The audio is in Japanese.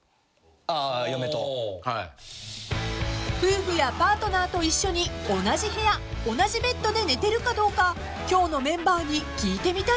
［夫婦やパートナーと一緒に同じ部屋同じベッドで寝てるかどうか今日のメンバーに聞いてみたいそうです］